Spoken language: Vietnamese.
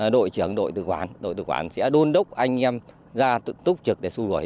đội trưởng đội tự quản đội tự quản sẽ đôn đúc anh em ra tục trực để xung đổi